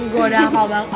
gue udah hafal banget